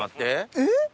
えっ？